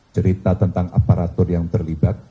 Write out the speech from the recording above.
cerita tentang aparatur yang terlibat